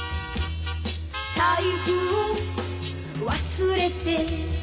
「財布を忘れて」